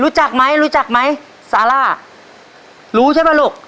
รู้จักไหมรู้จักไหมซาร่ารู้ใช่ป่ะลูก